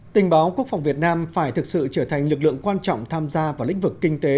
tình báo quốc phòng việt nam phải thực sự trở thành lực lượng quan trọng tham gia vào lĩnh vực kinh tế